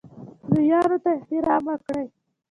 لویانو ته احترام وکړئ